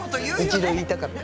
一度言いたかった。